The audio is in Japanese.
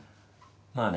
まあね。